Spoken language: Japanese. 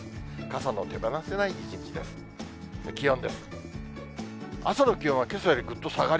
傘の手放せない一日です。